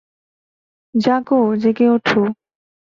জাগো, জেগে ওঠো!